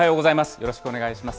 よろしくお願いします。